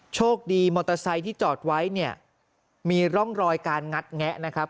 โชคดีมอเตอร์ไซค์ที่จอดไว้เนี่ยมีร่องรอยการงัดแงะนะครับ